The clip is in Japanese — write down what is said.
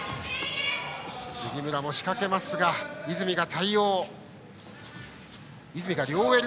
杉村も仕掛けますが泉が対応。